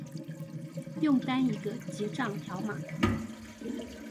用單一個結帳條碼